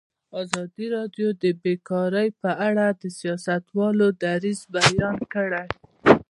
ازادي راډیو د بیکاري په اړه د سیاستوالو دریځ بیان کړی.